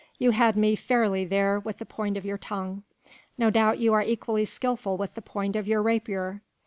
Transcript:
You had me fairly there with the point of your tongue. No doubt you are equally skilful with the point of your rapier...."